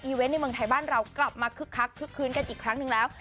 เวนต์ในเมืองไทยบ้านเรากลับมาคึกคักคึกคืนกันอีกครั้งหนึ่งแล้ว